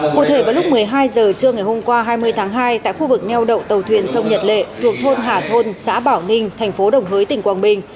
cụ thể vào lúc một mươi hai h trưa ngày hôm qua hai mươi tháng hai tại khu vực neo đậu tàu thuyền sông nhật lệ thuộc thôn hà thôn xã bảo ninh thành phố đồng hới tỉnh quảng bình